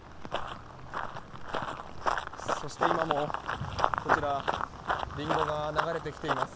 そして今も、こちらリンゴが流れてきています。